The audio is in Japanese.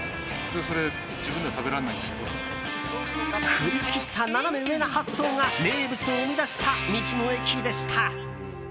振り切ったナナメ上な発想が名物を生み出した道の駅でした。